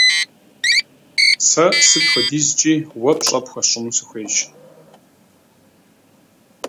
Сэ сыт хуэдизкӀи уэ пщӀэ пхуэсщӀыну сыхуейщ.